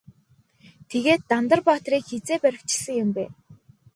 Тэгээд Дандар баатрыг хэзээ баривчилсан юм бэ?